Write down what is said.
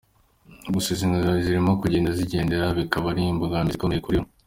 Gusa ngo izi ngombyi zirimo kugenda zikendera bikaba ari imbogamizi ikomeye kuribo.